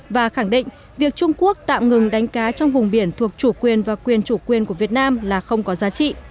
và khẳng định việc trung quốc tạm ngừng đánh cá trong vùng biển thuộc chủ quyền và quyền chủ quyền của việt nam là không có giá trị